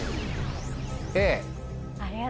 Ａ。